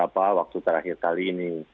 apa waktu terakhir kali ini